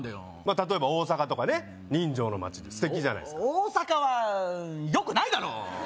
例えば大阪とかね人情の街で素敵じゃないですか大阪はよくないだろ